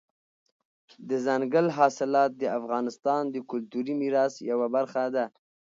دځنګل حاصلات د افغانستان د کلتوري میراث یوه برخه ده.